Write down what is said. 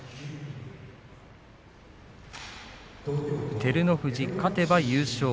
照ノ富士、勝てば優勝。